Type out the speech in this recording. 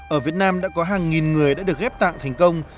ở việt nam đã có hàng nghìn người đã được ghép tạng thành công